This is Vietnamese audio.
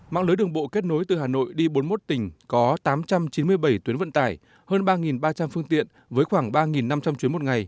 mạng lưới đường bộ kết nối từ hà nội đi bốn mươi một tỉnh có tám trăm chín mươi bảy tuyến vận tải hơn ba ba trăm linh phương tiện với khoảng ba năm trăm linh chuyến một ngày